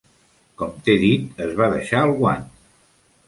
Com t'he dit, es va deixar el guant.